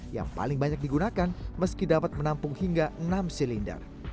yang paling banyak digunakan meski dapat menampung hingga enam silinder